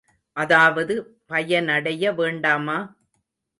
அதாவது பயனடைய வேண்டாமா?